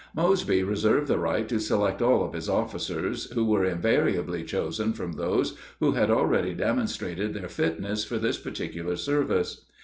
Mosby reserved the right to select all of his officers, who were invariably chosen from those who had already demonstrated their fitness for this particular service.